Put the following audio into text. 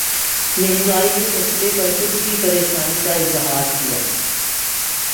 مہنگائی کے مسئلے پر خود بھی پریشانی کا اظہار کیا